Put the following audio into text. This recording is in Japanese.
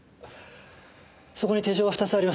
そこに手錠が２つあります。